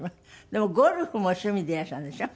でもゴルフも趣味でいらっしゃるんでしょ？